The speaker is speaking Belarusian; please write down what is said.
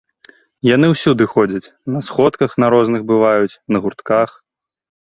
Яны ўсюды ходзяць, на сходках на розных бываюць, на гуртках.